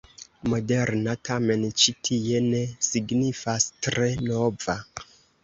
”Moderna” tamen ĉi tie ne signifas tre nova.